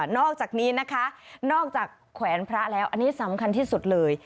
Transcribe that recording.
อกจากนี้นะคะนอกจากแขวนพระแล้วอันนี้สำคัญที่สุดเลย